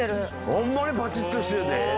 ホンマにパチッとしてるで。